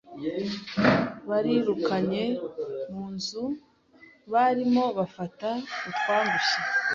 Babirukanye munzu barimo bafata utwangushye,